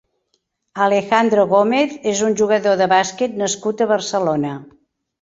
Alejandro Gómez és un jugador de bàsquet nascut a Barcelona.